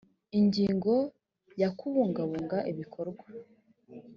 ingingo ya kubungabunga ibikorwa